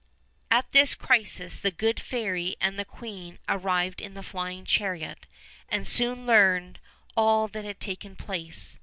At this crisis the good fairy and the queen arrived in the flying chariot, and soon learned all that had taken place.